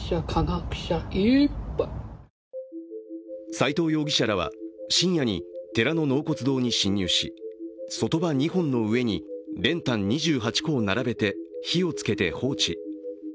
斉藤容疑者らは深夜に寺の納骨堂に侵入し、そとば２本の上に練炭２８個を並べて火をつけて放置。